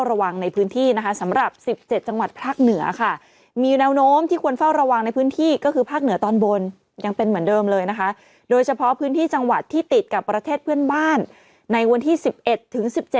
ราคาบ้านก็ไม่ได้แพง